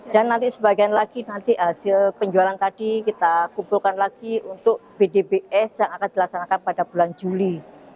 dan nanti sebagian lagi nanti hasil penjualan tadi kita kumpulkan lagi untuk pdbs yang akan dilaksanakan pada bulan juli dua ribu dua puluh empat